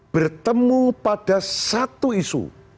bertemu pada satu isu